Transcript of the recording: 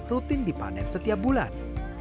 rutin dipanen setiap bulan